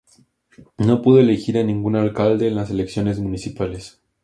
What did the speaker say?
No pudo elegir a ningún alcalde en las elecciones municipales.